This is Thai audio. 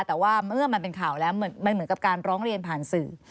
แต่ว่าเมื่อมันเป็นข่าวแล้วมันเหมือนกับการร้องเรียนผ่านสื่อ